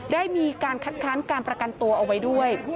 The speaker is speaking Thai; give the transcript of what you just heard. ได้มีการคัดค้านการประกันตัวเอาไว้ด้วย